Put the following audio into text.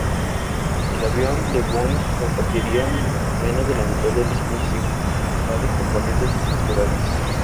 El avión de Boeing compartía menos de la mitad de los principales componentes estructurales.